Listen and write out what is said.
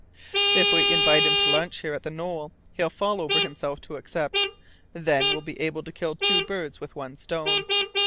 "If we invite him to lunch here at the Knowle, he'll fall over himself to accept. Then we'll be able to kill two birds with one stone.